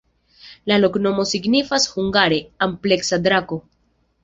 La loknomo signifas hungare: ampleksa-drako.